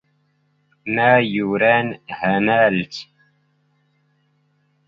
ⵎⴰ ⵢⵓⵔⴰⵏ ⵀⴰⵎⴰⵍⵜ?